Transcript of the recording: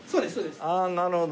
ああなるほど。